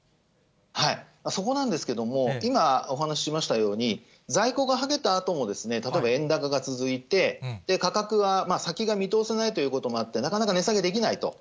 そこなんですけども、今、お話ししましたように、在庫がはけたあとも、例えば円高が続いて、価格は先が見通せないということもあって、なかなか値下げできないと。